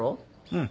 うん。